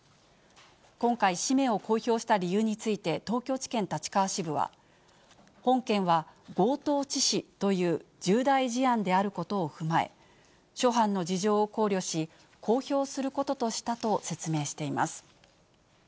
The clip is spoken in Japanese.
今回、氏名を公表した理由について東京地検立川支部は、本件は強盗致死という重大事案であることを踏まえ、諸般の事情を考慮し、公表することとしたと説明しています。